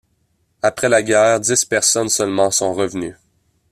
Après la guerre, dix personnes seulement sont revenues.